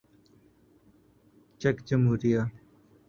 check جمہوریہ